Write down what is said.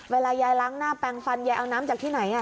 เวลายายล้างหน้าแปลงฟันยายเอาน้ำจากที่ไหน